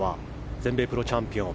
全米プロチャンピオン。